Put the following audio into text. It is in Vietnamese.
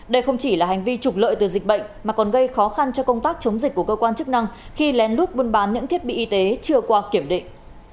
đây không chỉ là hành vi trục lợi từ dịch bệnh mà còn gây khó khăn cho công tác chống dịch của cơ quan chức năng khi lén lút buôn bán những thiết bị y tế chưa qua kiểm định